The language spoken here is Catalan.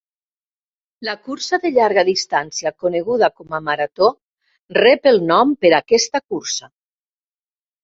La cursa de llarga distància coneguda com a marató rep el nom per aquesta cursa.